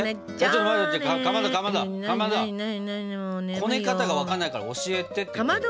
こね方が分かんないから教えてって言ってるの。